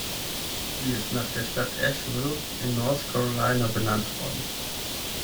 Sie ist nach der Stadt Asheville in North Carolina benannt worden.